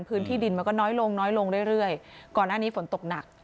พื้นที่ดินมันก็น้อยลงน้อยลงเรื่อยเรื่อยก่อนหน้านี้ฝนตกหนัก